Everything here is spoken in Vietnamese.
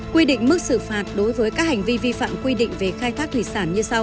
quy định mức xử phạt đối với các hành vi vi phạm quy định về khai thác thủy sản như sau